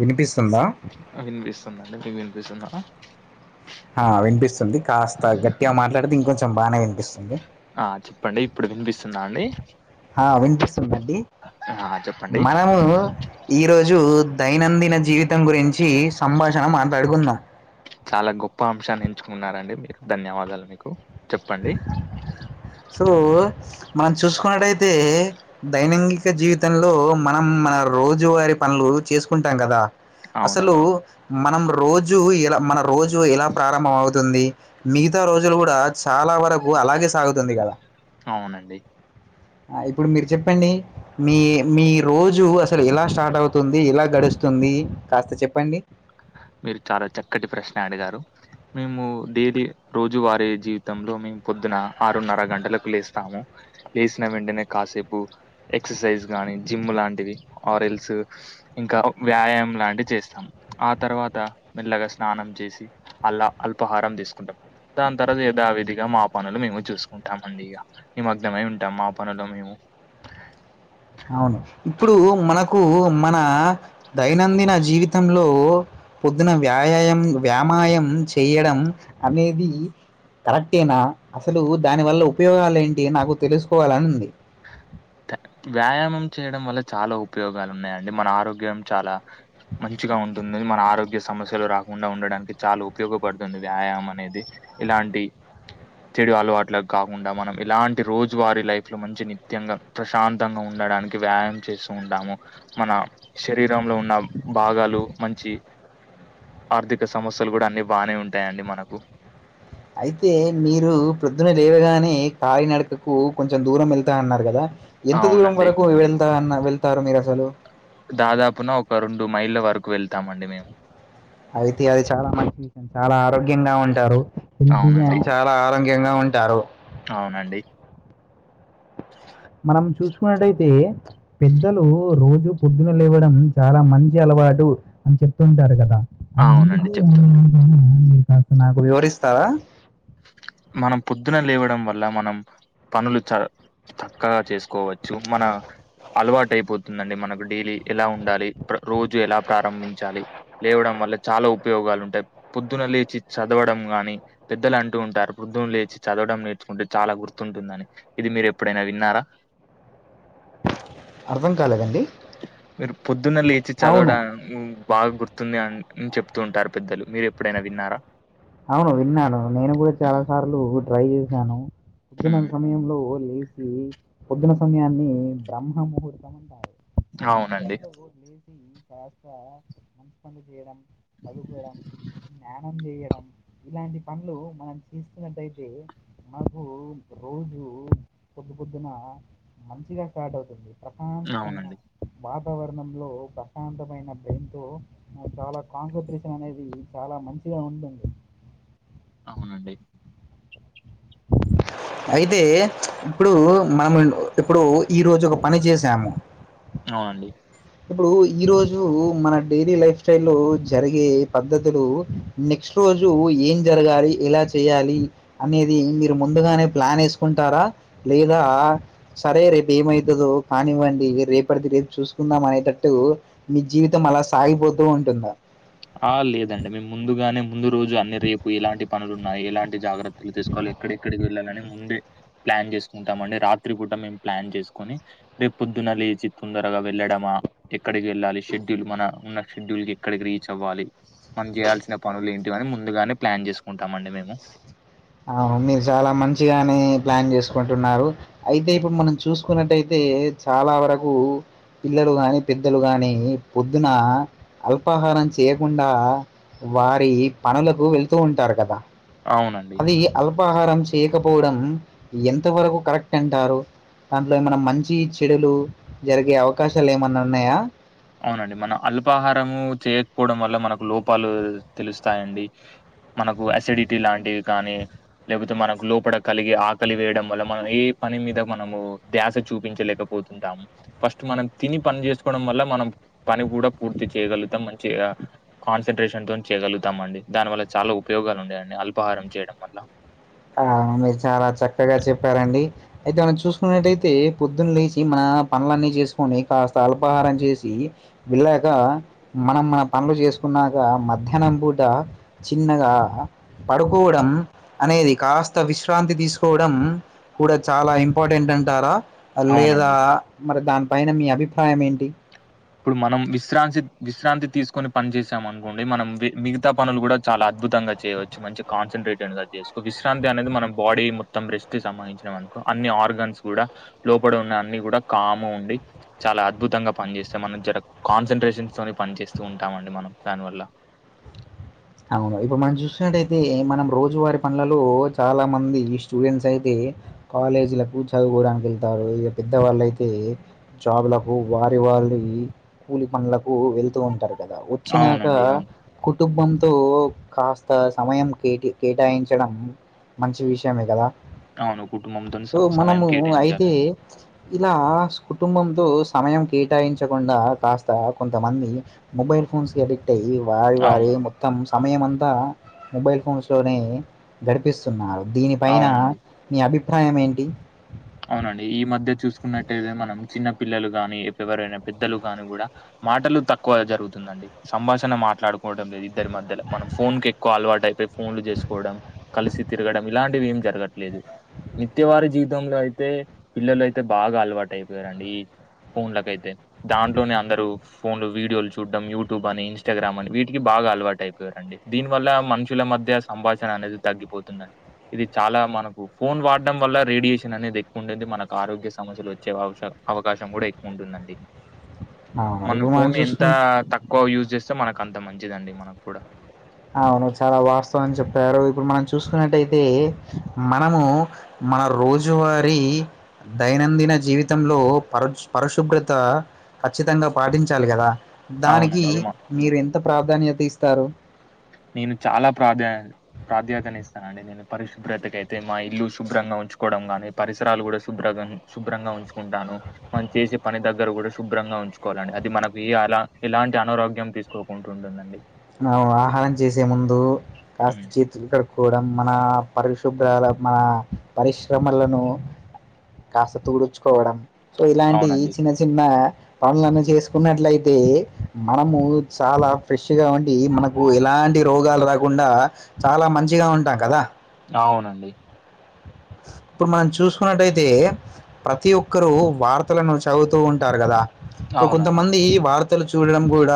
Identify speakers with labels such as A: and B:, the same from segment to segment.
A: వినిపిస్తుందా
B: వినిపిస్తుందండి మీకు వినిపిస్తుందా
A: ఆ వినిపిస్తుంది కాస్త గట్టిగా మాట్లాడితే ఇంకొంచెం బాగానే వినిపిస్తుంది
B: ఆ చెప్పండి ఇప్పుడు వినిపిస్తుంద అండి
A: ఆ వినిపిస్తుందండి
B: ఆ చెప్పండి
A: మనము ఇగో ఈరోజు దైనందిన జీవితం గురించి సంభాషణ మాట్లాడుకుందాం
B: చాలా గొప్ప అంశాన్ని ఎంచుకున్నారండి మీకు ధన్యవాదాలు మీకు చెప్పండి
A: సో మనం చూసుకున్నట్టయితే దైైనంగిక జీవితంలో మనం మన రోజువారీ పనులు చేసుకుంటాం కదా అసలు
B: అవునండి
A: మనం రోజు ఎలా మన రోజు ఎలా ప్రారంభం అవుతుంది మిగతా రోజులు కూడా చాలా వరకు అలాగే సాగుతుంది కదా
B: అవునండి
A: ఆ ఇప్పుడు మీరు చెప్పండి మీ మీ రోజు అసలు ఎలా స్టార్ట్ అవుతుంది ఎలా గడుస్తుంది కాస్త చెప్పండి
B: మీరు చాలా చక్కటి ప్రశ్న అడిగారు మేము డైలీ రోజు వారి జీవితంలో మేము పొద్దున ఆరున్నర గంటలకు లేస్తాము లేసిన వెంటనే కాసేపు ఎక్సర్సైజ్ గానీ జిమ్ లాంటివి ఆరల్స్ ఇంకా వ్యాయామం లాంటివి చేస్తాం ఆ తర్వాత మెల్లగా స్నానం చేసి అల్లా అల్పాహారం తీసుకుంటాం దాని తర్వాత యధావిధిగా మా పనులు మేము చూసుకుంటాం అండి ఇగా నిమగ్నమై ఉంటాం మా పనులో మేము
A: అవును ఇప్పుడు మనకు మన దైనందిన జీవితంలో పొద్దున వ్యాయయం వ్యామాయం చేయడం అనేది కరెక్ట్ నా అసలు దాని వల్ల ఉపయోగాలు ఏంటి నాకు తెలుసుకోవాలని ఉంది
B: వ్యాయామం చేయడం వల్ల చాలా ఉపయోగాలు ఉన్నాయండి మన ఆరోగ్యం చాలా మంచిగా ఉంటుంది మన ఆరోగ్య సమస్యలు రాకుండా ఉండడానికి చాలా ఉపయోగపడుతుంది వ్యాయామం అనేది ఇలాంటి చెడు అలవాట్లకు కాకుండా మనం ఇలాంటి రోజువారి లైఫ్ లో మంచి నిత్యంగా ప్రశాంతంగా ఉండడానికి వ్యాయామం చేస్తూ ఉంటాము మన శరీరంలో ఉన్న భాగాలు మంచి ఆర్థిక సమస్యలు కూడా అన్ని బాగానే ఉంటాయండి మనకు
A: అయితే మీరు ప్రొద్దున లేవగానే కాలినడకకు కొంచెం దూరం వెళ్తా అన్నారు కదా ఎంత దూరం
B: అవునండి
A: వరకు వెళ్తా అ వెళ్తారు మీరు అసలు
B: దాదాపున ఒక రెండు మైళ్ళ వరకు వెళ్తామ అండి మేము
A: అయితే అది చాలా మంచి విషయం చాలా ఆరోగ్యంగా ఉంటారు
B: అవునండి
A: చాలా చా ఆరోగ్యంగా ఉంటారు
B: అవునండి
A: మనం చూసుకున్నట్టయితే పెద్దలు రోజు పొద్దున లేవడం చాలా మంచి అలవాటు అని చెప్తుంటారు కదా అది
B: అవునండి
A: ఎందుకు
B: చెప్తుంటా
A: [inaudible] నాకు వివరిస్తవా
B: మనం పొద్దున లేవడం వల్ల మనం పనులు చ చక్కగా చేసుకోవచ్చు మన అలవాటు అయిపోతుందండి మనకు డైలీ ఎలా ఉండాలి రోజు ఎలా ప్రారంభించాలి లేవడం వల్ల చాలా ఉపయోగాలు ఉంటాయి పొద్దున లేచి చదవడం గాని పెద్దల అంట అంటూ ఉంటారు పొద్దున్న లేచి చదవడం నేర్చుకుంటే చాలా గుర్తుంటుందని ఇది మీరు ఎప్పుడైనా విన్నారా
A: అర్థం కాలేదండి
B: మీరు పొద్దున్న లేచి
A: అవును
B: చదవడం బాగా గుర్తుంది అని చెప్తూ ఉంటారు పెద్దలు మీరు ఎప్పుడైనా విన్నారా
A: అవును విన్నాను నేను కూడా చాలా సార్లు ట్రై చేశాను పొద్దున్న
B: హ్మ్.
A: సమయంలో లేచ్ హ్మ్ పొద్దున సమయాన్ని బ్రహ్మ ముహూర్తం అంటారు ఆ
B: అవునండి.
A: సమయంలో లేచి కాస్త మంచి పని చేయడం పదుకోవడం స్నానం చేయడం ఇలాంటి పనులు మనం చేస్తున్నట్టయితే మాకు రోజు పొద్దు పొద్దున మంచిగా స్టార్ట్ అవుతుంది ప్రశాంతమైన
B: అవునండి.
A: వాతావరణంలో ప్రశాంతమైన బ్రెన్ తో చాలా కాంపిటీషన్ అనేది చాలా మంచిగా ఉందండి
B: అవునండి
A: అయితే ఇప్పుడు మనము ఇప్పుడు ఈ రోజు ఒక పని చేసాము
B: అవునండి
A: ఇప్పుడు ఈ రోజు మన డైలీ లైఫ్ స్టైల్ లో జరిగే పద్ధతులు నెక్స్ట్ రోజు ఏం జరగాలి ఎలా చేయాలి అనేది మీరు ముందుగానే ప్లాన్ వేసుకుంటారా లేదా సరే రేపు ఏమవుతుందో కానివ్వండి రేపటిది రేపు చూసు కుందాం అనేటట్టు మీ జీవితం అలా సాగిపోతూ ఉంటుందా
B: ఆ లేదండి మేము ముందుగానే ముందు రోజు అన్ని రేపు ఎలాంటి పనులు ఉన్నాయి ఎలాంటి జాగ్రత్తలు తీసుకోవాలి ఇక్కడెక్కడికి వెళ్ళాలని ముందే ప్లాన్ చేసుకుంటామ అండి రాత్రి కూడాూ మేము ప్లాన్ చేసుకొని రే పొద్దున లేచి తొందరగా వెళ్ళడమా ఎక్కడికి వెళ్ళాలి, షెడ్యూల్ మన, ఉన్న షెడ్యూల్ కి ఎక్కడికి రీచ్ రీచవ్వాలి. మనం చేయాల్సిన పనులు ఏంటివి అని ముందుగానే ప్లాన్ చేసుకుంటాం అండి మేము.
A: అ మీరు చాలా మంచిగానే ప్లాన్ చేసుకుంటున్నారు. అయితే
B: హ్మ్.
A: ఇప్పుడు మనం చూసుకున్నట్టయితే చాలావరకు పిల్లలు గాని పెద్దలు గాని పొద్దున అల్పాహారం చేయకుండా వారి పనులకు వెళ్తూ ఉంటారు కదా
B: అవునండి
A: ఈ అల్పాహారం చేయకపోవడం ఎంత వరకు కరెక్ట్ అంటారు. దాంట్లో ఏమన్నా మంచి చెడులు జరిగే అవకాశాలు ఏమన్నా ఉన్నాయా?
B: అవునండి, మన అల్పాహారము చేయకపోవడం వల్ల మనకు లోపాలు తెలుస్తాయండి. మనకు అసిడిటీ లాంటివి కానీ లేకపోతే మనకు లోపట కలిగి ఆకలివేయడం వల్ల మనం ఏ పని మీద మనము ధ్యాస చూపించలేక పోతుంటాము. ఫస్ట్ మనం తిని పని చేసుకోవడం వల్ల మనం పని కూడా పూర్తి చేయగలుగుతాం మంచిగా కాన్సన్ట్రేషన్ తోని చేయగలుతామండి దాని వల్ల చాలా ఉపయోగాలు ఉన్నాయండి అల్పహారం చేయడం వల్ల
A: ఆ మీరు చాలా చక్కగా చెప్పారండి అయితే మనం చూసుకున్నట్టయితే, పొద్దున్న లేచి మన పనులన్నీ చేసుకుని కాస్త అల్పాహారం చేసి వెళ్ళాక, మనం మన పనులు చేసుకున్నాక, మధ్యాహ్నం పూట చిన్నగా పడుకోవడం అనేది కాస్త విశ్రాంతి తీసుకోవడం కూడా చాలా ఇంపార్టెంట్ అంటారా? లేదా
B: అవునండి
A: మరి దానిపైన మీ అభిప్రాయం ఏంటి?
B: ఇప్పుడు మనం విశ్రాంతి విశ్రాంతి తీసుకొని పని చేసాం అనుకోండి మనం మిగతా పనులు కూడా చాలా అద్భుతంగా చేయవచ్చు మంచి కాన్సన్ట్రేటెడ్ గా చేసుకో విశ్రాంతి అనేది మన బాడీ మొత్తం రెస్ట్ కి సంబంధించి ఉన్నామనుకో, అన్ని ఆర్గాన్స్ కూడా లోపడ ఉన్న అన్ని కూడా కామ్ గా ఉండి చాలా అద్భుతంగా పనిచేస్తాం, మనం జర కాన్సన్ట్రేషన్స్ తోని పని చేస్తూ ఉంటామండి మనం దాని వల్ల.
A: అవును ఇప్పుడు మనం చూసినట్టయితే మనం రోజువారి పనులలో చాలా మంది స్టూడెంట్స్ అయితే కాలేజీలకు చదువుకోవడానికి వెళ్తారు ఇక పెద్దవాళ్ళయితే జాబులకు వారి వాళ్ళయి కూలిపనులకు వెళ్తూ ఉంటారు. కదా వచ్చినాక
B: అవునండి అవును
A: కుటుంబం తో కాస్త సమయం కేటి కేటాయించడం మంచి విషయమే కదా.
B: అవును కుటుంబంతో
A: సో
B: సమయం
A: మనము అయితే
B: కేటాయించాలండి
A: ఇలా కుటుంబంతో సమయం కేటాయించకుండా కాస్త కొంతమంది మొబైల్ ఫోన్స్కి అడిక్ట్ క్టై వారి వారి
B: అవును
A: మొత్తం సమయం అంతా మొబైల్ ఫోన్స్లోనే గడిపేస్తున్నారు, దీనిపైన
B: అవునండి
A: నీ అభిప్రాయం ఏంటి?
B: అవునండి, ఈ మధ్య చూసుకున్నట్టయితే మనం చిన్న పిల్లలు గానీ ఎవరైనా పెద్దలు కానీ కూడా మాటలు తక్కువ జరుగుతుందండి. సంభాషణ మాట్లాడుకోవడంం లేదు ఇద్దరి మధ్యలో మనం ఫోన్ కి ఎక్కువ అలవాటయిపో ఫోన్లు చేసుకోవడం కలిసి తిరగడం ఇలాంటివి ఏం జరగట్లేదు నిత్యవారీ జీవితంలో అయితే అయితే పిల్లలు అయితే బాగా అలవాటు అయిపోయారండి ఈ ఫోన్లకయితే దాంట్లోనే అందరూ ఫోన్లు వీడియోలు చూడడం, యూట్యూబ్ అని ఇన్స్టాగ్రామ్ అని వీటికి బాగా అలవాటు అయిపోయారండి. దీని వల్ల మనుషుల మధ్య సంభాషణ అనేది తగ్గిపోతుందండి. ఇది చాలా మనకు ఫోన్ వాడడం వల్ల రేడియేషన్ అనేది ఉంటుంది, మనకు ఆరోగ్య సమస్యలు వచ్చే అవసర అవకాశం కూడా ఎక్కువ ఉంటుందండి.
A: అవును.
B: మన
A: ఇప్పుడు మనం
B: ఫోన్ ఎంత
A: చూసుకున్
B: తక్కువ యూజ్ చేస్తే మనకు అంత మంచిదండి మనకు కూడా.
A: అవును చాలా వాస్తవం జేప్పారు ఇప్పుడు మనం చూసుకున్నట్టయితే మనము మన రోజూ వారీ దైనందిన జీవితంలో పర్ పరుశుభ్రత ఖచ్చితంగా పాటించాలి గదా దానికి
B: అవునండి అది మా
A: మీరు ఎంత ప్రాధాన్యత ఇస్తారు
B: నేను చాలా ప్రాధ ప్రాధాతానిస్తాన అండి నే నేను పరిశుభ్రతకైయితే మా ఇల్లు శుభ్రంగా ఉంచుకోవడం గానీ పరిసరాలు గూడ శుభ్ర శుభ్రంగా ఉంచుకుంటాను మనం చేసే పని దగ్గర గూడ శుభ్రంగా ఉంచుకోవాలండి అది మనకి అలా ఎలాంటి అనారోగ్యం తీసు పోకుంటుండేనండి
A: మనం ఆహారం జేసే ముందు కాస్త
B: ఉమ్,
A: చేతులు కడు కొడ మన పరిశుభ్రాల మన పరిశ్రమలను కాస్త తుడుచుకోవడం సో ఇలాంటి ఈ
B: అవునండి
A: చిన్న చిన్న పనులను చేసుకున్నట్లయితే మనము చాలా ఫ్రెష్ ట్టిగా ఉండి మనకు ఎలాంటి రోగాలు రాకుండా చాలా మంచిగా ఉంటాం కదా
B: అవునండి
A: ఇప్పుడు మనం చూసుకున్నట్టయితే ప్రతి ఒక్కరూ వార్తలను చదువుతూ ఉంటారు గదా ఇప్పుడు
B: అవునండి
A: కొంతమంది వార్తలు చూడడం గూడ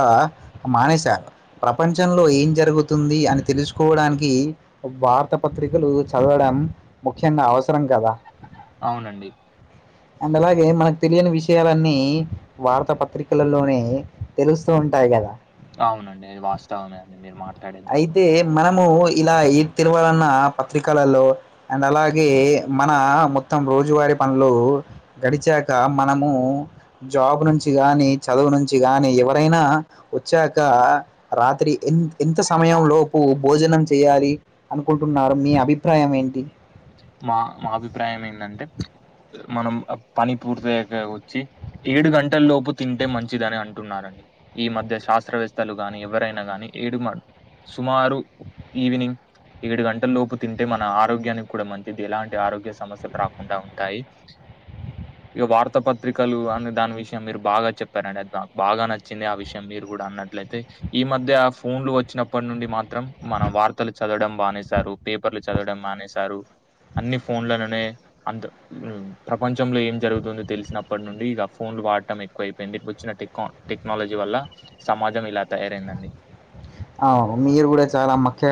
A: మానేశారు ప్రపంచంలో ఏం జరుగుతుంది అని తెలుసుకోవడానికి ఒ వార్తా పత్రికలు చదవడం ముఖ్యంగా అవసరం కదా
B: అవునండి
A: అండ్ అలాగే మనకు తెలియని విషయాలన్నీ వార్తా పత్రికలలోనే తెలుస్త ఉంటాయి గదా
B: అవునండి అది వాస్తవమే అండి మీరు మాట్లాడేది
A: అయితే మనము ఇలా ఏ తేలవాలన్న పత్రికలలో అండ్ అలాగే మన మొత్తం రోజువారీ పనులు గడిచాక మనము జాబ్ నుంచి గానీ చదువు నుంచీ గానీ ఎవరైనా వచ్చాక రాత్రి ఎ ఎంత సమయం లోపు భోజనం చెయ్యాలి అనుకుంటున్నారు మీ అభిప్రాయం ఏంటి
B: మా మా అభిప్రాయం ఏందంటే మనం ఆ పని పూర్తయ్యాక వచ్చి ఏడు గంటల లోపు తింటే మంచిదని అంటున్నారండి ఈ మధ్య శాస్త్రవేత్తలు గానీ ఎవరైనా గానీ ఏడుమాడ్ సుమారు ఈవినింగ్ ఏడు గంటల లోపు తింటే మన ఆరోగ్యాన్ని కూడా మంచిది ఎలాంటి ఆరోగ్య సమస్యలు రాకుండా ఉంటాయి ఇగ వార్తా పత్రికలు అనే దాని విషయం మీరు బాగా చెప్పారండి. అది నాక్ బాగా నచ్చింది ఆ విషయం మీరు గూడ అన్నట్లయితే ఈ మధ్య ఆ ఫోన్లు వచ్చినప్పనుండి మాత్రం మన వార్తలు చదవడం మానేసారు పేపర్లు చదవడం మానేశారు అన్ని ఫోన్లలోనే అందు ఉమ్మ్ ప్రపంచంలో ఏం జరుగుతుంది తెలిసినప్ప నుండి ఇగ ఫోన్లు వాడటం ఎక్కువ అయిపోయింది వచ్చిన టక్ కొన్ టెక్నాలజీ వల్ల సమాజం ఇలా తయారైందండి
A: అవు మీరు గూడ చాలా మఖ్య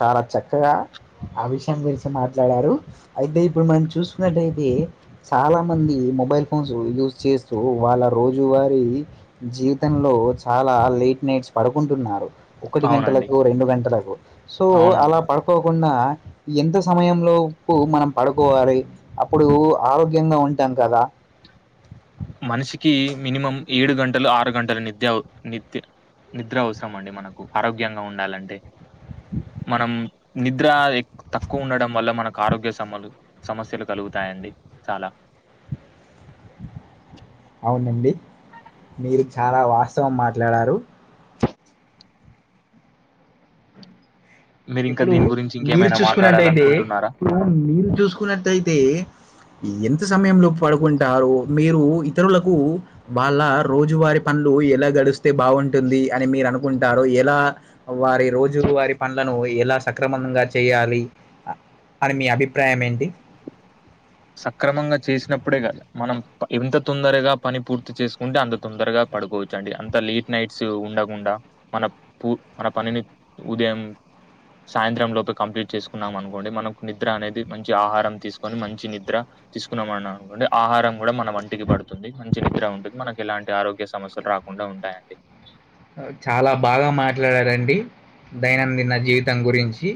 A: చాలా చక్కగా ఆ విషయం గురించి మాట్లాడారు అయితే ఇప్పుడు మనం చూసుకున్నట్టయితే చాలా మంది మొబైల్ ఫోన్స్ యూస్ చేస్తూ వాళ్ల రోజువారీ జీవితంలో చాలా లేట్ నైట్స్ పడుకుంటున్నారు ఒకటి
B: అవునండి
A: గంటలకు రెండు గంటలకు సో అలా
B: అవునండి
A: పడు కోకుండా ఎంత సమయంలోపూ మనం పడుకోవాలి అప్పుడు ఆరోగ్యంగా ఉంటాము కదా.
B: మనిషికి మినిమం ఏడు గంటలు ఆరు గంటలు నిత్య అవు నిత్య. నిద్ర అవసరం అండి మనకు ఆరోగ్యంగా ఉండాలంటే. మనం నిద్ర ఆ ఏక్ తక్కువ ఉండడం వల్ల మనకు ఆరోగ్య సమ్మలు. సమస్యలు కలుగుతాయండి చాలా.
A: అవునండి మీరు చాలా వాస్తవం మాట్లాడారు.
B: మీరు ఇంకా
A: ఇప్పుడు
B: దీని గురించి
A: మీరు
B: ఇంకేమైనా
A: చూసుకున్నట్టయితే
B: మాట్లాడాలనుకుంటున్నారా
A: ఇప్పుడు మీరు చూసుకున్నట్టయితే. ఎంత సమయంలో పడుకుంటారూ మీరు ఇతరులకు. వాళ్ళ రోజువారి పనులు ఎలా గడిస్తే బాగుంటుంది అని మీరు అనుకుంటారు ఎలా. వారి రోజు వారి ప. లను ఎలా సక్రమంగా చేయాలి అని మీ అభిప్రాయం ఏంటి.
B: సక్రమంగా చేసినప్పుడే కద మనం ప ఎంత తొందరగా పని పూర్తి చేసుకుంటే అంత తొందరగా. పడుకోవచ్చు అండి అంత లేట్ నైట్స్ ఉండకుండా మనకు పూ మన పనిని. ఉదయం. సాయంత్రం లోపే కంప్లీట్ చేసుకున్నాం అనుకోండి మనకు నిద్ర అనేది మంచి ఆహారం తీసుకొని మంచి నిద. ద్ర తీసుకున్నామన్నా అనుకోండి ఆహారం కూడా మన వంటికి పడుతుంది. మంచి నిద్ర ఉంటుంది మనకి ఇలాంటి ఆరోగ్య సమస్యలు రాకుండా ఉంటాయండి.
A: చాలా బాగా మాట్లాడారండి దైనందిన జీవితం గురించి.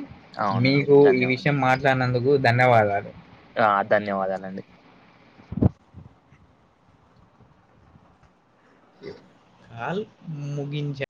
B: అవునండి
A: మీకు ఈ విషయం
B: ధన్యవాదాలు
A: మాట్లాడినందుకు ధన్యవాదాలు.
B: ఆ ధన్యవాదాలండి.
A: కాల్ ముగించ.